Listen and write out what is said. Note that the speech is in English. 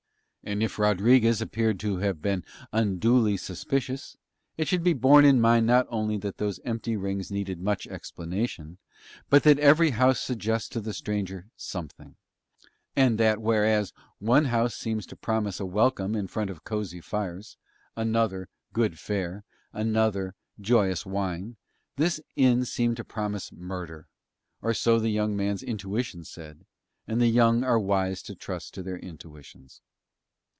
And if Rodriguez appear to have been unduly suspicious, it should be borne in mind not only that those empty rings needed much explanation, but that every house suggests to the stranger something; and that whereas one house seems to promise a welcome in front of cosy fires, another good fare, another joyous wine, this inn seemed to promise murder; or so the young man's intuition said, and the young are wise to trust to their intuitions.